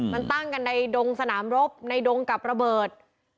มันตั้งกันในดงสนามรบในดงกับระเบิด